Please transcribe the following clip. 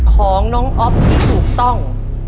ของน้องอ๊อฟที่ถูกต้อง